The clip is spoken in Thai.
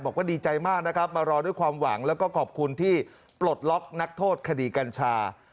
บอกว่าดีใจมากนะครับมารอด้วยความหวังแล้วก็ขอบคุณที่ปลดล็อกนักโทษคดีกัญชา